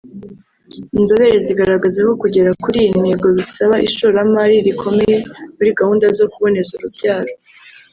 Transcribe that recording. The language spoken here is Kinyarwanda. Inzobere zigaragaza ko kugera kuri iyi ntego bisaba ishoramari rikomeye muri gahunda zo kuboneza urubyaro